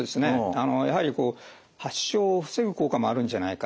あのやはりこう発症を防ぐ効果もあるんじゃないか